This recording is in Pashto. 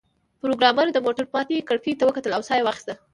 پروګرامر د موټر ماتې کړکۍ ته وکتل او ساه یې واخیسته